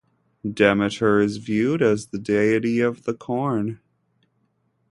Demeter is viewed as the deity of the corn.